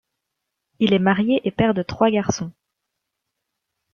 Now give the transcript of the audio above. Il est marié et père de trois garçons.